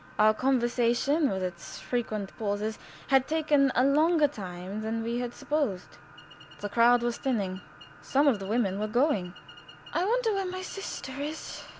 Our conversation, with its frequent pauses, had taken a longer time than we had supposed. The crowd was thinning. Some of the women were going. "I wonder where my sister is!"